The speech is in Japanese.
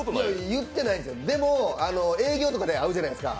言ってないです、でも営業とかで会うじゃないですか。